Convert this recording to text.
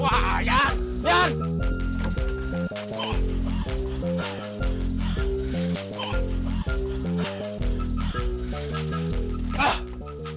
wah yan yan